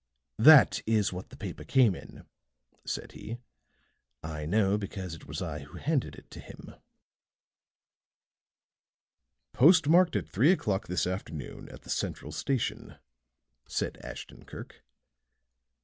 "That is what the paper came in," said he. "I know, because it was I who handed it to him." "Postmarked at three o'clock this afternoon at the central station," said Ashton Kirk.